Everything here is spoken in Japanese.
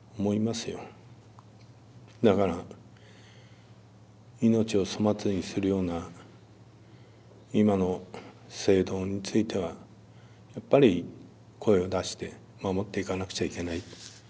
だから命を粗末にするような今の制度についてはやっぱり声を出して守っていかなくちゃいけない。